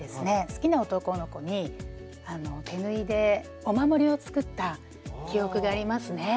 好きな男の子に手縫いでお守りを作った記憶がありますねはい。